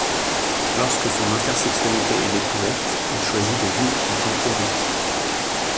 Lorsque son intersexualité est découverte, il choisit de vivre en tant qu'Erik.